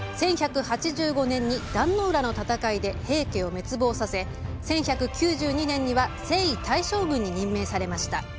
１１８５年に壇ノ浦の戦いで平家を滅亡させ１１９２年には征夷大将軍に任命されました。